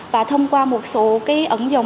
và thông qua một số cái ẩn dụng